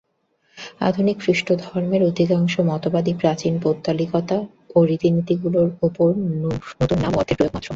আধুনিক খ্রীষ্টধর্মের অধিকাংশ মতবাদই প্রাচীন পৌত্তলিকতা ও রীতিনীতিগুলির উপর নূতন নাম ও অর্থের প্রয়োগমাত্র।